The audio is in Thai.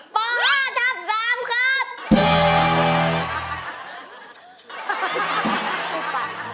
ป๕ทับ๓ครับ